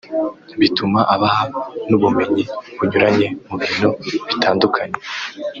bituma abaha n’ubumenyi bunyuranye mu bintu bitandukanye